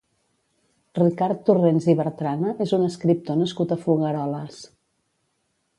Ricard Torrents i Bertrana és un escriptor nascut a Folgueroles.